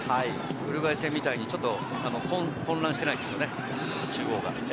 ウルグアイ戦みたいに混乱していないですよね。